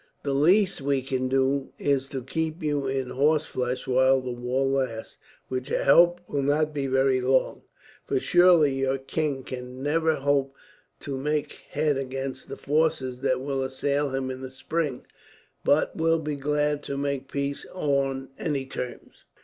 "The least we can do is to keep you in horse flesh while the war lasts; which I hope will not be very long, for surely your king can never hope to make head against the forces that will assail him in the spring, but will be glad to make peace on any terms."